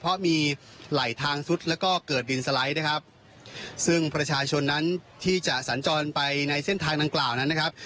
เพราะมีไหลทางซุดแล้วก็เกิดดินสไลด์นะครับซึ่งประชาชนนั้นที่จะสัญจรไปในเส้นทางดังกล่าวนั้นนะครับ